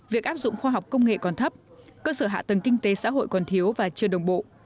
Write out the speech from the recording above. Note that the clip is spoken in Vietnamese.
việc áp dụng khoa học công nghệ còn thấp cơ sở hạ tầng kinh tế xã hội còn thiếu và chưa đồng bộ